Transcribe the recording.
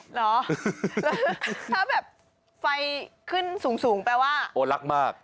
เหรอถ้าแบบไฟขึ้นสูงแปลว่าโอ้รักมาก